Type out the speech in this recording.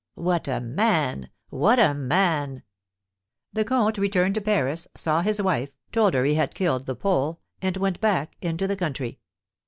"What a man! What a man!" "The comte returned to Paris, saw his wife, told her he had killed the Pole, and went back into the country.